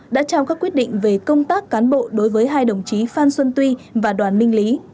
đã trao các quyết định về công tác cán bộ đối với hai đồng chí phan xuân tuy và đoàn minh lý